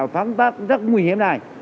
phán tác rất nguy hiểm này